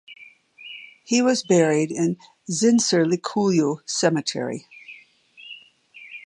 He was buried in Zincirlikuyu Cemetery.